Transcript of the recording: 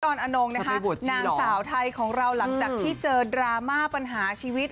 นอนงนะคะนางสาวไทยของเราหลังจากที่เจอดราม่าปัญหาชีวิต